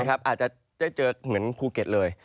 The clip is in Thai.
อาจจะได้เจอเหมือนภูเก็ตเลย